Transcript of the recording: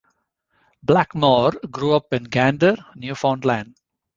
Blackmore grew up in Gander, Newfoundland.